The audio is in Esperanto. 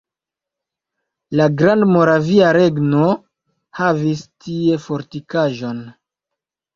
La Grandmoravia Regno havis tie fortikaĵon.